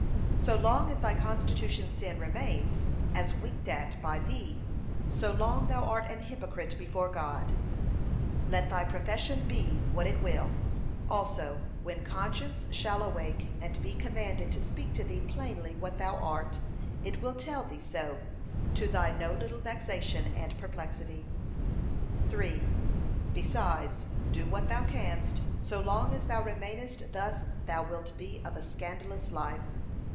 So long as thy constitution sin remains, as winked at by thee, so long thou art an hypocrite before God, let thy profession be what it will; also, when conscience shall awake and be commanded to speak to thee plainly what thou art, it will tell thee so, to thy no little vexation and perplexity. 3. Besides, do what thou canst, so long as thou remainest thus thou wilt be of a scandalous life.